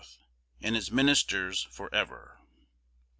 AND HIS MINISTERS FOR EVER!